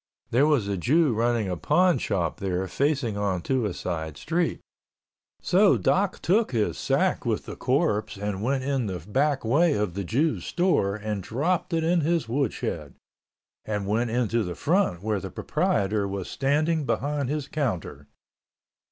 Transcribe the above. There was a Jew running a pawn shop there facing onto a side street. So Doc took his sack with the corpse and went in the back way of the Jew's store and dropped it in his woodshed, and went into the front where the proprietor was standing behind his counter.